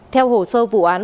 theo hồ sơ vụ án